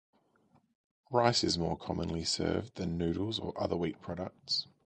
Rice is more commonly served than noodles or other wheat products.